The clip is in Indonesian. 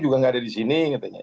juga gak ada disini